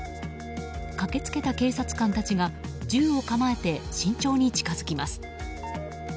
駆け付けた警察官たちが銃を構えて慎重に近づきます。